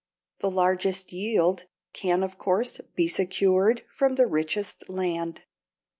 The largest yield can of course be secured from the richest land.